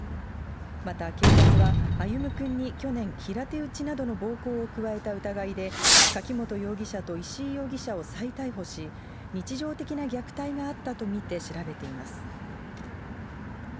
また警察は歩夢くんに去年、平手打ちなどの暴行を加えた疑いで、柿本容疑者と石井容疑者を再逮捕し、日常的な虐待があったと見て、調べています。